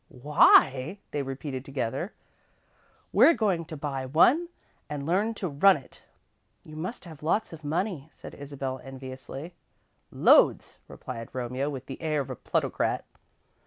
"Why?" they repeated together. "We're going to buy one and learn to run it!" "You must have lots of money," said Isabel, enviously. "Loads," replied Romeo, with the air of a plutocrat.